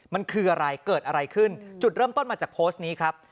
มันคืออะไรเกิดอะไรขึ้นจุดเริ่มต้นมาจากโพสต์นี้ครับ